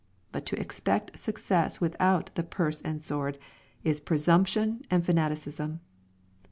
But to expect success without the " purse and sword" is presumption and fanaticism.